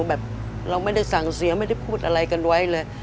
แบบเราไม่ได้สั่งเสียไม่ได้พูดอะไรกันไว้เลย